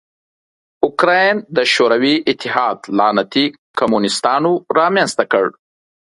اوکراین د شوروي اتحاد لعنتي کمونستانو رامنځ ته کړ.